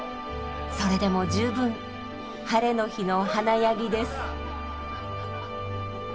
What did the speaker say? それでも十分ハレの日の華やぎです。